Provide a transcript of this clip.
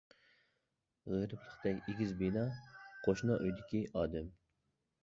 غېرىبلىقتەك ئېگىز بىنا، قوشنا ئۆيدىكى ئادەم.